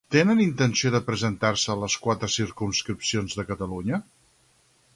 Tenen intenció de presentar-se a les quatre circumscripcions de Catalunya?